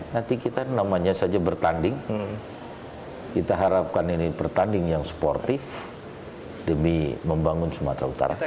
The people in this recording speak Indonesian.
nanti kita namanya saja bertanding kita harapkan ini pertanding yang sportif demi membangun sumatera utara